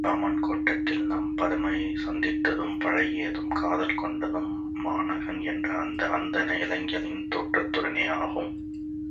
Common கோட்டத்தில் நாம் பதுமையைச் சந்தித்ததும், பழகியதும், காதல் கொண்டதும் மாணகன் என்ற அந்தண இளைஞனின் தோற்றத்துடனே ஆகும்!